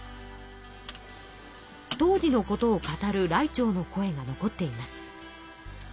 当時のことを語るらいてうの声が残っています。